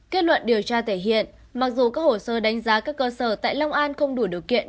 kết luận điều tra thể hiện mặc dù các hồ sơ đánh giá các cơ sở tại long an không đủ điều kiện